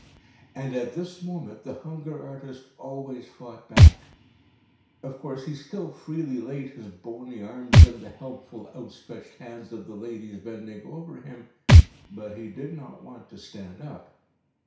And at this moment the hunger artist always fought back. Of course, he still freely laid his bony arms in the helpful outstretched hands of the ladies bending over him, but he did not want to stand up.